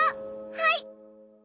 はい！